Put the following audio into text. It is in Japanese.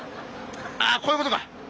あこういうことか！